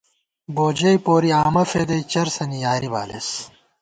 بوجَئ پوری آمہ فېدَئی چرسَنی یاری بالېس